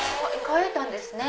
乾いたんですね。